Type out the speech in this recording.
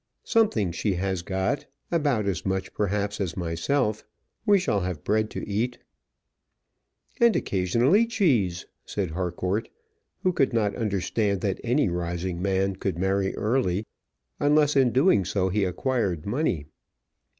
Something she has got; about as much, perhaps, as myself. We shall have bread to eat." "And occasionally cheese," said Harcourt, who could not understand that any rising man could marry early, unless in doing so he acquired money.